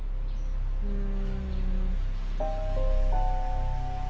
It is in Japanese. うん。